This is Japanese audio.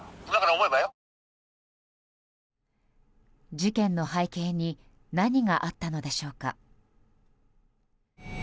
事件の背景に何があったのでしょうか。